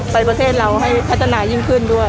ประเทศเราให้พัฒนายิ่งขึ้นด้วย